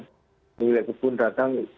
kemudian kebun datang